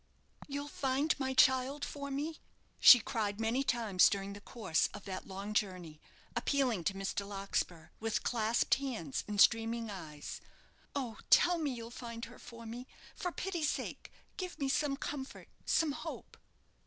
"You'll find my child for me?" she cried many times during the course of that long journey, appealing to Mr. Larkspur, with clasped hands and streaming eyes. "Oh, tell me that you'll find her for me. For pity's sake, give me some comfort some hope."